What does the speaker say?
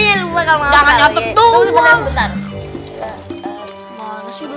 jangan nyotok doang